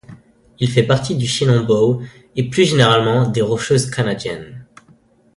Il fait partie du chaînon Bow et plus généralement des Rocheuses canadiennes.